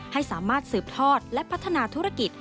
ให้สามารถสืบทอดและพัฒนาธุรกิจ